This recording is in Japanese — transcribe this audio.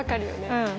うん。